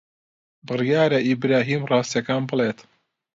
بڕیارە ئیبراهیم ڕاستییەکان بڵێت.